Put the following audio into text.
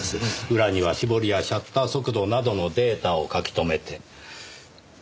裏には絞りやシャッター速度などのデータを書き留めて。